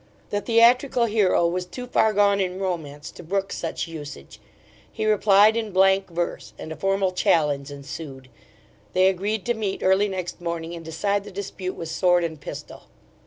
The theatrical hero was too far gone in romance to brook such usage: he replied in blank verse, and a formal challenge ensued. They agreed to meet early next morning and decide the dispute with sword and pistol.